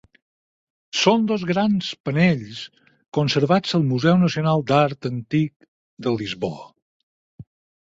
Són dos grans panells conservats al Museu Nacional d'Art Antic de Lisboa.